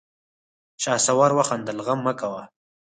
شهسوار وخندل: غم مه کوه!